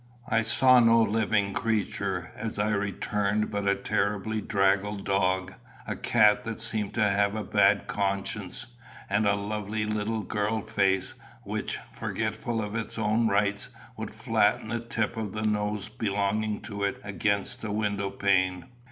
I saw no living creature as I returned but a terribly draggled dog, a cat that seemed to have a bad conscience, and a lovely little girl face, which, forgetful of its own rights, would flatten the tip of the nose belonging to it against a window pane.